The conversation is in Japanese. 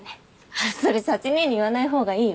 あっそれ幸姉に言わない方がいいよ。